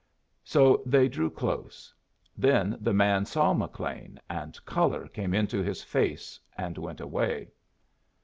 So they drew close. Then the man saw McLean, and color came into his face and went away.